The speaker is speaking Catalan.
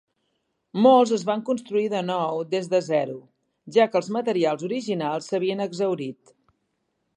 Molts es van construir de nou des de zero, ja que els materials originals s'havien exhaurit.